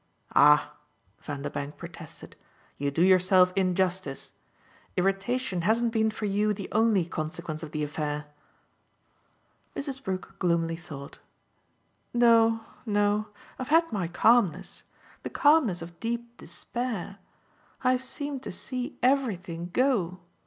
"Ah," Vanderbank protested, "you do yourself injustice. Irritation hasn't been for you the only consequence of the affair." Mrs. Brook gloomily thought. "No, no I've had my calmness: the calmness of deep despair. I've seemed to see everything go."